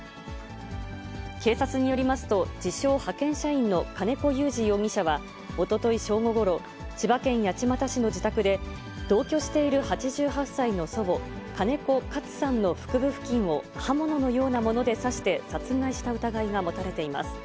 警察によりますと、自称派遣社員の金子祐治容疑者は、おととい正午ごろ、千葉県八街市の自宅で、同居している８８歳の祖母、金子カツさんの腹部付近を刃物のようなもので刺して殺害した疑いが持たれています。